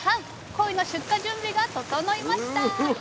コイの出荷準備が整いました。